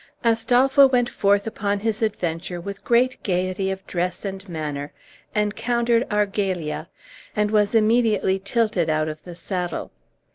Astolpho went forth upon his adventure with great gayety of dress and manner, encountered Argalia, and was immediately tilted out of the saddle.